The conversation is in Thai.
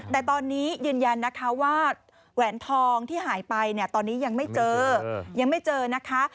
แต่ตอนนี้ยืนยันนะคะว่าแหวนทองที่หายไปเนี่ยตอนนี้ยังไม่เจอยังไม่เจอนะคะ